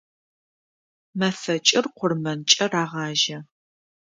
Мэфэкӏыр къурмэнкӏэ рагъажьэ.